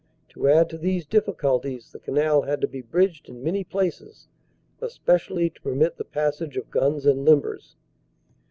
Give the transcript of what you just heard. To add to these difficulties the canal had to be bridged in many places, especially to permit the passage of guns and limbers.